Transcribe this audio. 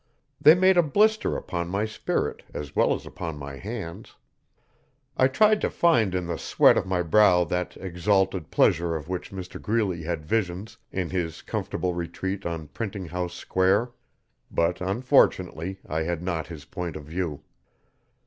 They made a blister upon my spirit as well as upon my hands. I tried to find in the sweat of my brow that exalted pleasure of which Mr Greeley had visions in his comfortable retreat on Printing House Square. But unfortunately I had not his point of view.